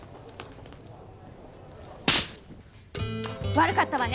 悪かったわね